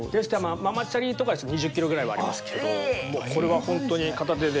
ママチャリとかですと２０キロぐらいはありますけどもうこれは本当に片手で持てるぐらい。